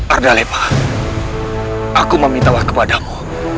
ardalepa aku memintalah kepadamu